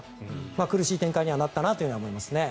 苦しい展開にはなったと思います。